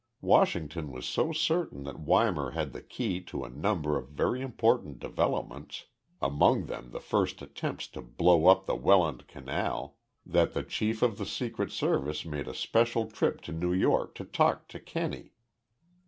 Washington was so certain that Weimar had the key to a number of very important developments among them the first attempt to blow up the Welland Canal that the chief of the Secret Service made a special trip to New York to talk to Kenney.